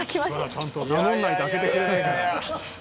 「ちゃんと名乗らないと開けてくれないから」